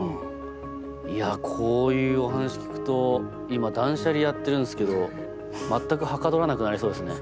いやこういうお話聞くと今断捨離やってるんですけど全くはかどらなくなりそうですね。